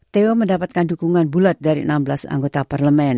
teo mendapatkan dukungan bulat dari enam belas anggota parlemen